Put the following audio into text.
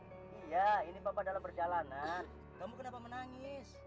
iya ini bapak dalam perjalanan kamu kenapa menangis